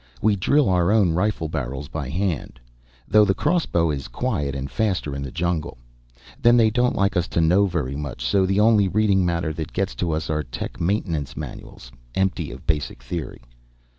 We drill our own rifle barrels by hand, though the crossbow is quiet and faster in the jungle. Then they don't like us to know very much, so the only reading matter that gets to us are tech maintenance manuals, empty of basic theory.